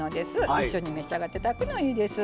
一緒に召し上がっていただくのがいいです。